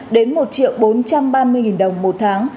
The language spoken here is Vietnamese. đến một bốn trăm ba mươi đồng một tháng